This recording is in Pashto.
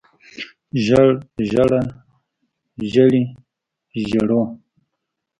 زېړ زېړه زېړې زېړو